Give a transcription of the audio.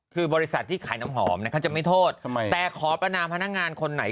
คือบริษัทที่ขายน้ำหอมเขาจะไม่โทษแต่ขอประนามพนักงานคนไหน